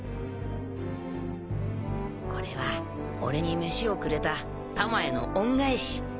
これは俺に飯をくれたたまへの恩返し。